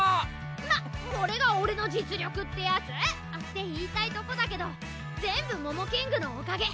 まぁこれが俺の実力ってやつ？って言いたいとこだけど全部モモキングのおかげ！